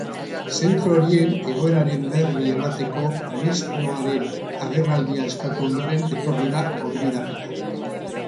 Zentro horien egoeraren berri emateko ministroaren agerraldia eskatu ondoren etorri da gonbidapena.